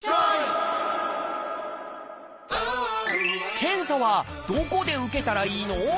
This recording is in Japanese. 検査はどこで受けたらいいの？